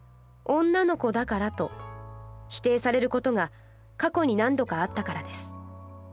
『女の子だから』と否定されることが過去に何度かあったからです。